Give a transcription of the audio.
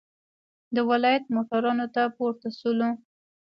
د ولایت موټرانو ته پورته شولو.